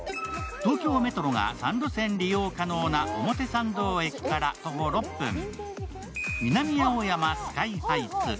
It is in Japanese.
東京メトロが３路線利用可能な表参道駅から徒歩６分、南青山スカイハイツ。